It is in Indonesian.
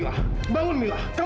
ya allah gimana ini